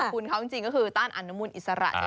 บุญเขาจริงก็คือต้านอนุมูลอิสระใช่ไหม